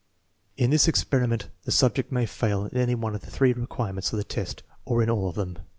In this experiment the subject may fail in any one of the three requirements of the test or in all of them.